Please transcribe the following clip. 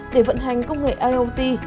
để vận hành công nghệ iot